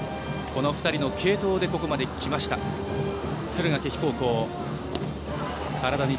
この２人の継投でここまで来ました、敦賀気比高校。